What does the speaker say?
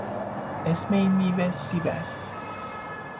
اسم این میوه سیب است.